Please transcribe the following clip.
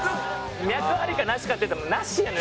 脈ありかなしかっていったらなし。